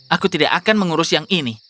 aku tidak akan mengurus yang ini